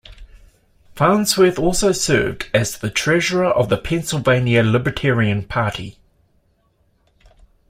Farnsworth also served as the treasurer of the Pennsylvania Libertarian Party.